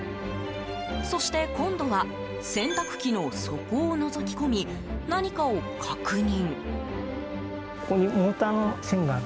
そして今度は洗濯機の底をのぞき込み何かを確認。